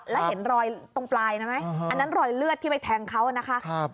แล้วเห็นรอยตรงปลายนั้นไหมอันนั้นรอยเลือดที่ไปแทงเขานะคะ